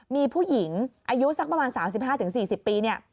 มีผู้หญิงอายุสักประมาณ๓๕๔๐ปีเนี่ย